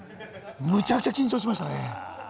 むちゃくちゃ緊張しましたね。